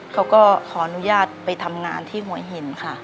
เขาก็ขออนุญาตไปทำงานที่หัวหินค่ะ